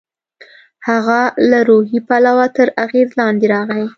هغه له روحي پلوه تر اغېز لاندې راغی.